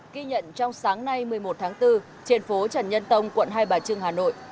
ghi nhận trong sáng nay một mươi một tháng bốn trên phố trần nhân tông quận hai bà trưng hà nội